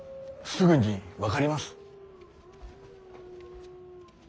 すぐに分かります。